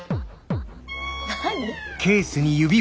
何？